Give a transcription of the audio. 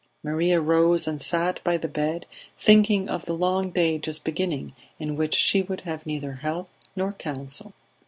Maria rose and sat by the bed, thinking of the long day just beginning in which she would have neither help nor counsel.